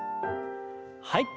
はい。